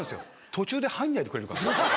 「途中で入んないでくれるかな」。